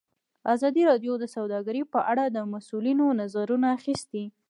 ازادي راډیو د سوداګري په اړه د مسؤلینو نظرونه اخیستي.